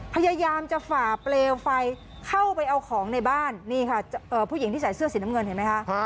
พยายามจะฝ่าเปลวไฟเข้าไปเอาของในบ้านนี่ค่ะผู้หญิงที่ใส่เสื้อสีน้ำเงินเห็นไหมคะ